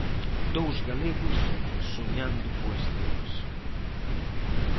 Dous galegos soñando co ascenso.